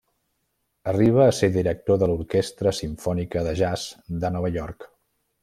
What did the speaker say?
Arriba a ser director de l'Orquestra Simfònica de Jazz de Nova York.